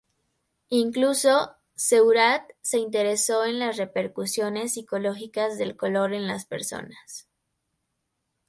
Incluso Seurat se interesó en las repercusiones psicológicas del color en las personas.